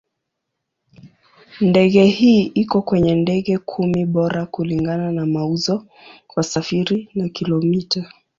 Ndege hii iko kwenye ndege kumi bora kulingana na mauzo, wasafiri na kilomita.